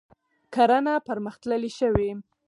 کرنه پرمختللې شوې.